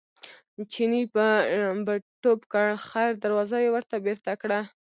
چیني به ټوپ کړ خیر دروازه یې ورته بېرته کړه.